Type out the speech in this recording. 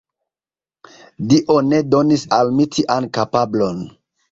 Dio ne donis al mi tian kapablon.